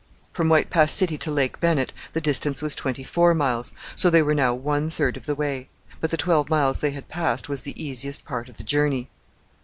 From White Pass City to Lake Bennett the distance was twenty four miles, so they were now one third of the way. But the twelve miles they had passed was the easiest part of the journey.